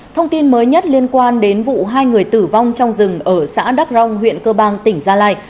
thông tin mới nhất liên quan đến vụ hai người tử vong trong rừng ở xã đắc rong huyện cơ bang tỉnh gia lai